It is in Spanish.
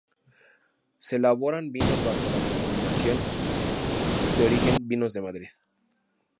Se elaboran vinos bajo la denominación de origen "Vinos de Madrid".